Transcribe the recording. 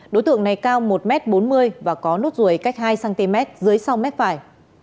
đối tượng này cao một m bốn mươi và có nốt ruồi cách hai cm dưới sau mép phải